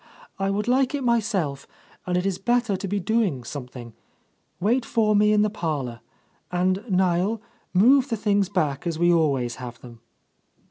"I would like it myself, and it is better to be doing something. Wait for me in the parlour. And, Niel, move the things back as we always have them."